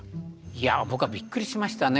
いやぁ僕はびっくりしましたね。